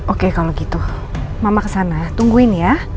oke kalau gitu mama kesana tungguin ya